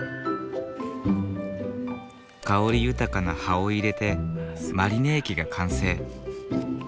香り豊かな葉を入れてマリネ液が完成。